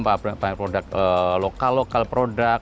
banyak produk lokal lokal produk